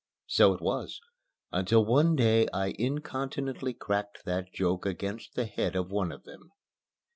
So it was, until one day I incontinently cracked that joke against the head of one of them.